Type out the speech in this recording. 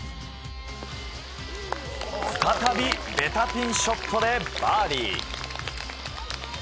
再びベタピンショットでバーディー。